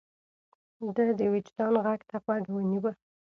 ده د وجدان غږ ته غوږ نيوه.